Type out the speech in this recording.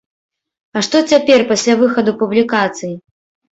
А што цяпер, пасля выхаду публікацый?